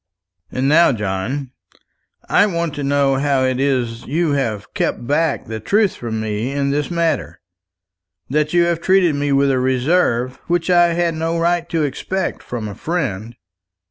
And now, John, I want to know how it is you have kept back the truth from me in this matter; that you have treated me with a reserve which I had no right to expect from a friend."